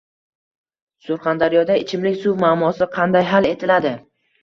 Surxondaryoda ichimlik suv muammosi qanday hal etiladi?